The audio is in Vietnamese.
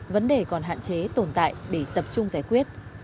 vấn đề còn hạn chế tồn tại để tập trung giải quyết